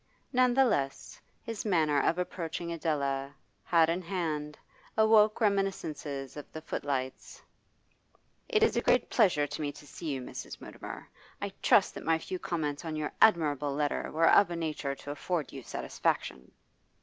None the less, his manner of approaching Adela, hat in hand, awoke reminiscences of the footlights. 'It is a great pleasure to me to see you, Mrs. Mutimer. I trust that my few comments on your admirable letter were of a nature to afford you satisfaction.